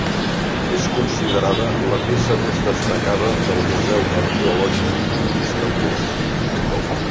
És considerada, la peça més destacada del Museu Arqueològic d'Istanbul.